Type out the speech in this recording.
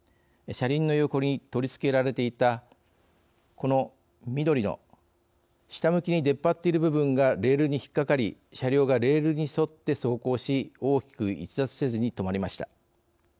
車輪の横に取り付けられていたこの緑の下向きに出っ張っている部分がレールに引っ掛かり車両がレールに沿って走行し大きく逸脱せずに止まりました。